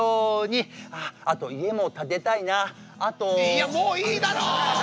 いやもういいだろ！